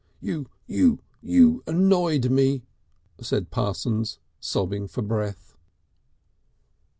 "You you you you annoyed me," said Parsons, sobbing for breath.